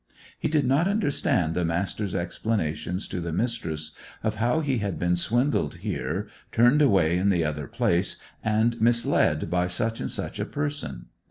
He did not understand the Master's explanations to the Mistress of how he had been swindled here, turned away in the other place, and misled by such and such a person.